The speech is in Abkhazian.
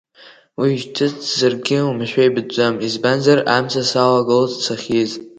Уи шьҭыҵзаргьы уамашәа ибатәӡам, избанзар, амца саалагылт сахьааиз.